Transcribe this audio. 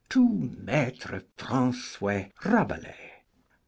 To Maitre Francoys Rabelais.